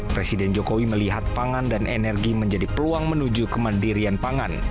presiden jokowi melihat pangan dan energi menjadi peluang menuju kemandirian pangan